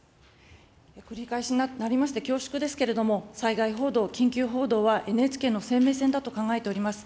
繰り返しになりまして恐縮ですけれども、災害報道、緊急報道は、ＮＨＫの生命線だと考えております。